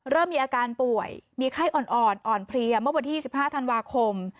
เริ่มมีอาการป่วยมีไข้อ่อนอ่อนอ่อนเพลี่ยมเข้าบนที่สิบห้าธันวาคม